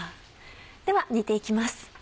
では煮ていきます。